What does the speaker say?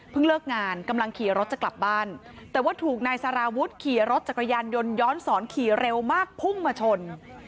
เลิกงานกำลังขี่รถจะกลับบ้านแต่ว่าถูกนายสารวุฒิขี่รถจักรยานยนต์ย้อนสอนขี่เร็วมากพุ่งมาชน